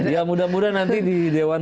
ya mudah mudahan nanti di dewan